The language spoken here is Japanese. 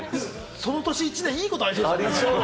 その年１年いいことありそうですもんね。